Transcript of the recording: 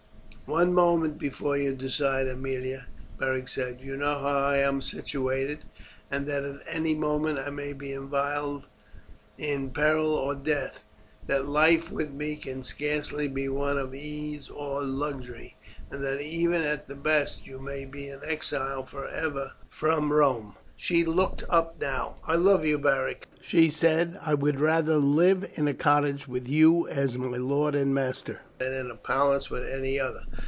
"One moment before you decide, Aemilia," Beric said. "You know how I am situated, and that at any moment I may be involved in peril or death; that life with me can scarcely be one of ease or luxury, and that even at the best you may be an exile for ever from Rome." She looked up now. "I love you, Beric," she said. "I would rather live in a cottage with you for my lord and master than in a palace with any other.